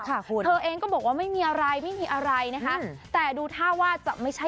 ค่ะคุณเธอเองก็บอกว่าไม่มีอะไรไม่มีอะไรนะคะแต่ดูท่าว่าจะไม่ใช่